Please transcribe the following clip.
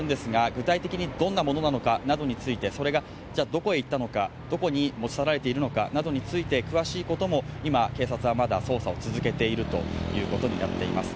具体的にどんなものなのかなどについて、それがどこへ行ったのか、どこに持ち去られているのか、詳しいことはまだ警察は捜査を続けているということになっています。